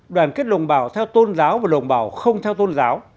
đoàn kết đồng bào theo tôn giáo và đồng bào không theo tôn giáo